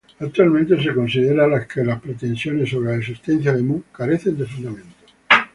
Actualmente se considera que las pretensiones sobre la existencia de Mu carecen de fundamento.